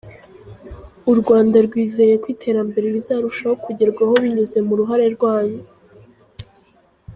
U Rwanda rwizeye ko iterambere rizarushaho kugerwaho binyuze mu ruhare rwanyu.